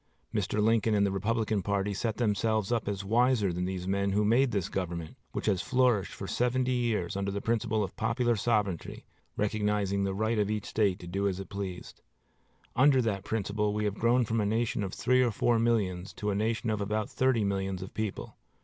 Mr. Lincoln and the Republican party set themselves up as wiser than these men who made this government, which has flourished for seventy years under the principle of popular sovereignty, recognizing the right of each State to do as it pleased. Under that principle, we have grown from a nation of three or four millions to a nation of about thirty millions of people.